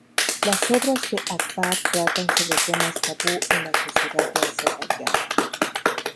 Las obras de Akbar tratan sobre temas tabú en la sociedad de Azerbaiyán.